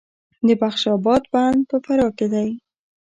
د بخش اباد بند په فراه کې دی